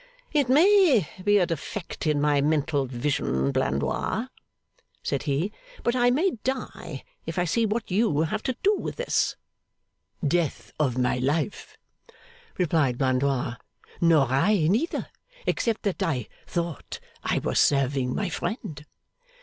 'It may be a defect in my mental vision, Blandois,' said he, 'but may I die if I see what you have to do with this.' 'Death of my life,' replied Blandois, 'nor I neither, except that I thought I was serving my friend.